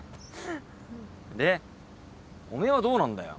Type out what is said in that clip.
でおめえはどうなんだよ？